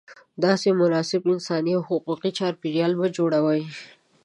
داسې مناسب انساني او حقوقي چاپېریال به جوړوې.